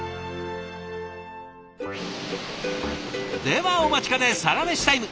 ではお待ちかねサラメシタイム。